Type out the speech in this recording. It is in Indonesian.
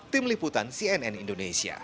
tim liputan cnn indonesia